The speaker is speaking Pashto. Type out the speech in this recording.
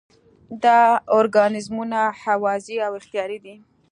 دا ارګانیزمونه هوازی او اختیاري دي.